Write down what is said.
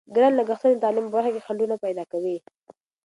ګران لګښتونه د تعلیم په برخه کې خنډونه پیدا کوي.